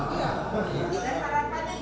dimanapun kita kejar